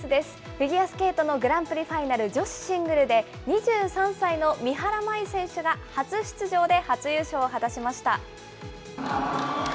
フィギュアスケートのグランプリファイナル女子シングルで、２３歳の三原舞依選手が初出場で初優勝を果たしました。